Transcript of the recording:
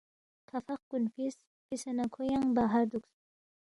کھا فق کُن فِس، فِسے نہ کھو ینگ باہر دُوکس